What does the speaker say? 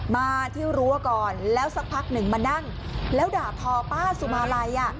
มาที่รั้วก่อนแล้วสักพักหนึ่งมานั่งแล้วด่าทอป้าสุมาลัย